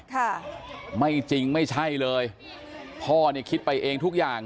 ค่ะไม่จริงไม่ใช่เลยพ่อเนี่ยคิดไปเองทุกอย่าง